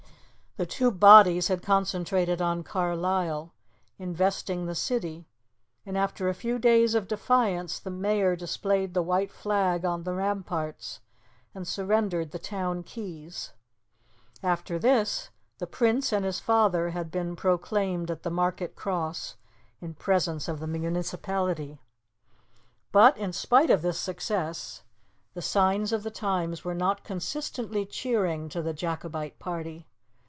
The two bodies had concentrated on Carlisle, investing the city, and after a few days of defiance, the mayor displayed the white flag on the ramparts and surrendered the town keys. After this, the Prince and his father had been proclaimed at the market cross, in presence of the municipality. But in spite of this success the signs of the times were not consistently cheering to the Jacobite party.